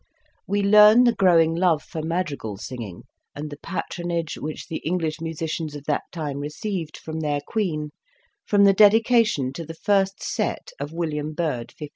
We learn the growing love for madrigal singing, and the patronage which the English musicians of that time received from their Queen from the dedication to the " First Set "* of William Byrd, 1588.